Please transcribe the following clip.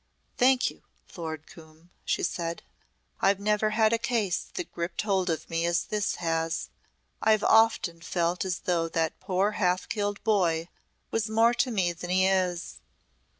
"Thank you, Lord Coombe," she said. "I've never had a case that gripped hold of me as this has. I've often felt as though that poor half killed boy was more to me than he is.